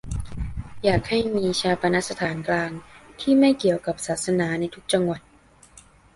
อยากให้มีฌาปนสถานกลางที่ไม่เกี่ยวกับศาสนา ในทุกจังหวัด